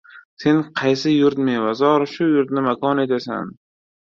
Sen qaysi yurt mevazor — shu yurtni makon etasan.